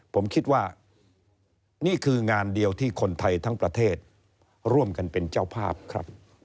ผมคิดว่านี่คืองานเดียวที่คนไทยทั้งประเทศร่วมกันเป็นเจ้าภาพครับ